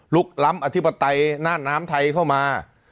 ล้ำอธิปไตยหน้าน้ำไทยเข้ามา